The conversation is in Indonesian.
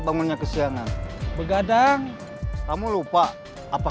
bangunnya kesiangan begadang kamu lupa apa kata bakhaji jangan begadang ke tangan ngajak